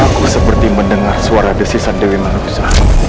aku seperti mendengar suara desisan dewi manusa